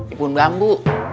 di pohon bambu